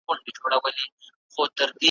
د ځنګله په غرڅه ګانو کي سردار وو `